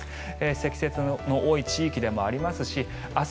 積雪の多い地域でもありますし明日